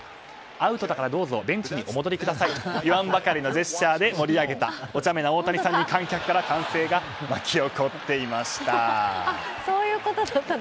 アウトだからどうぞベンチにお戻りくださいと言わんばかりのジェスチャーで盛り上げたおちゃめな大谷さんに観客が沸き上がっていました。